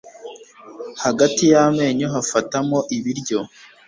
hagati y'amenyo hafatamo ibiryo